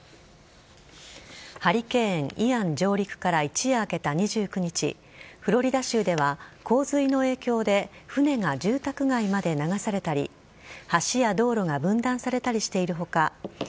ハリケーン・イアン上陸から一夜明けた２９日フロリダ州では洪水の影響で船が住宅街まで流されたり橋や道路が分断されたりしている他